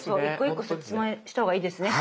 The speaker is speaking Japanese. １個１個質問した方がいいですね